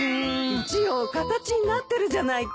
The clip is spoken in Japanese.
一応形になってるじゃないか。